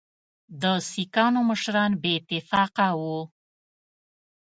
د سیکهانو مشران بې اتفاقه وه.